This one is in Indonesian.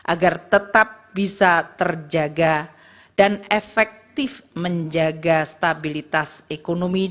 agar tetap bisa terjaga dan efektif menjaga stabilitas ekonomi